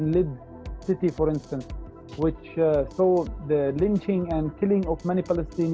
di lid city misalnya yang melihat penyerangan dan bunuh banyak palestina